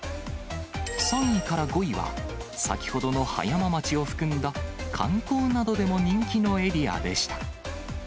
３位から５位は、先ほどの葉山町を含んだ観光などでも人気のエリアでした。